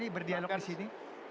berdialog di sini